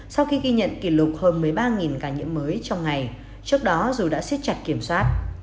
sau khi ghi nhận kỷ lục hơn một mươi ba ca nhiễm mới trong ngày trước đó dù đã xiết chặt kiểm soát